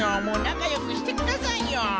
もうなかよくしてくださいよ。